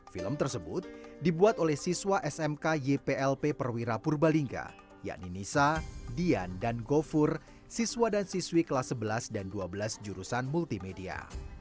film tersebut dibuat oleh siswa smk yplp perwira purbalingga yakni nisa dian dan gofur siswa dan siswi kelas sebelas dan dua belas jurusan multimedia